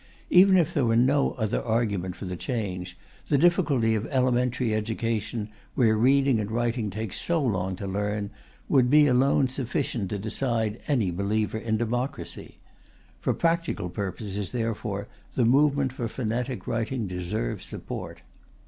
Even if there were no other argument for the change, the difficulty of elementary education, where reading and writing take so long to learn, would be alone sufficient to decide any believer in democracy. For practical purposes, therefore, the movement for phonetic writing deserves support.